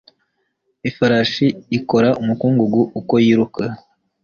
Ifarashi ikora umukungugu uko yiruka